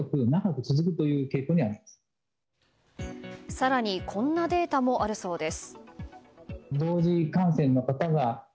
更にこんなデータもあるそうです。